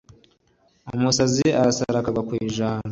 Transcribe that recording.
Umusazi arasara akagwa ku ijambo.